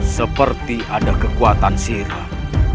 seperti ada kekuatan siram